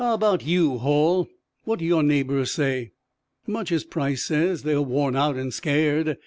How about you, Hall? What do your neighbors say?" "Much as Price says. They're worn out and scared.